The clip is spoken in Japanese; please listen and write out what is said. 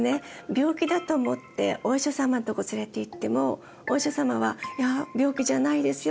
病気だと思ってお医者様のとこ連れていってもお医者様は「いや病気じゃないですよ。